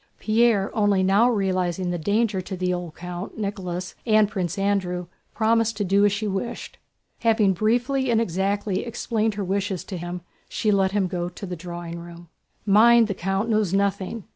Pierre—only now realizing the danger to the old count, Nicholas, and Prince Andrew—promised to do as she wished. Having briefly and exactly explained her wishes to him, she let him go to the drawing room. "Mind, the count knows nothing.